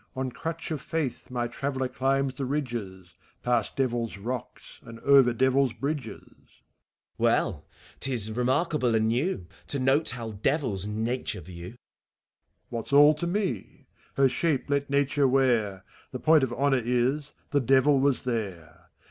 On crutch of faith my traveller climbs the ridges. Past Devil's Rocks and over Devil's Bridges. VAUST. Well, — 't is remarkable and new To note how Devils Nature view. HEPHISTOPHELBS. What's all to mef Her shape let Nature w«ar ! The point ot honor is, the Devil was there